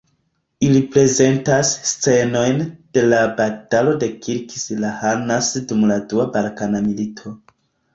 Ili prezentas scenojn de la Batalo de Kilkis-Lahanas dum la Dua Balkana Milito.